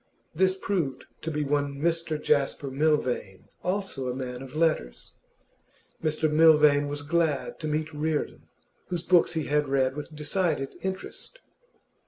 This proved to be one Mr Jasper Milvain, also a man of letters. Mr Milvain was glad to meet Reardon, whose books he had read with decided interest.